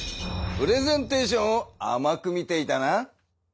プレゼンテーションをあまく見ていたな。